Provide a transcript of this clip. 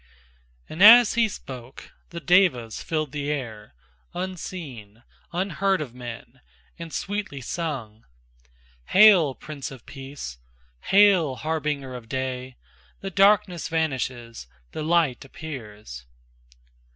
And as he spoke the devas filled the air, Unseen, unheard of men, and sweetly sung: "Hail, prince of peace! hail, harbinger of day! The darkness vanishes, the light appears."